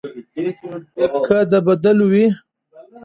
که د بدلو وي.